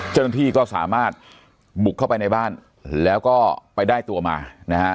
เจ้าหน้าที่ก็สามารถบุกเข้าไปในบ้านแล้วก็ไปได้ตัวมานะฮะ